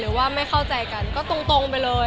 ว่าไม่เข้าใจกันก็ตรงไปเลย